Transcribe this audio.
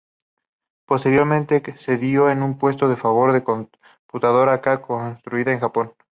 Posteriormente cedió ese puesto en favor de la Computadora K construida en Japón.